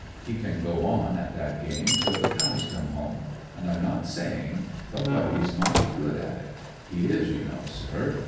He can go on at that game till the cows come home, and I'm not saying but what he s mighty good at it. He is, you know, sir.